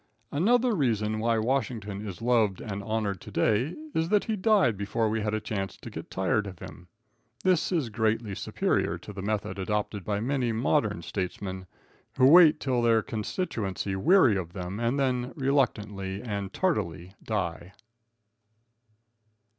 Another reason why Washington is loved and honored to day, is that he died before we had a chance to get tired of him. This is greatly superior to the method adopted by many modern statesmen, who wait till their constituency weary of them and then reluctantly and tardily die.